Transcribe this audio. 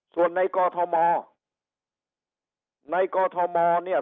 ส่วนในกอทมในกอทมเนี่ย